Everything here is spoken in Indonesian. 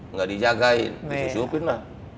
nggak dijagain disusupin lah